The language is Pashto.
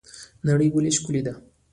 نړۍ ولې ښکلې ده؟